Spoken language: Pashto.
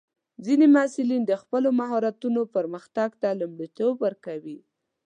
ځینې محصلین د خپلو مهارتونو پرمختګ ته لومړیتوب ورکوي.